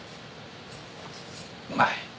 うまい。